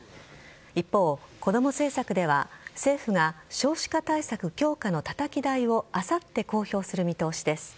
一方、こども政策では政府が少子化対策強化のたたき台をあさって公表する見通しです。